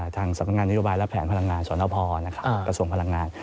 ทางสำนักงานนโยบายและแผนพลังงานสนพกระทรวงพลังงาน